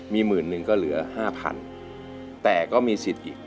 มีหมื่นหนึ่งก็เหลือ๕๐๐๐แต่ก็มีสิทธิ์อีก